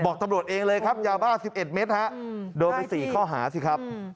ตำรวจเองเลยครับยาบ้า๑๑เมตรโดนไป๔ข้อหาสิครับ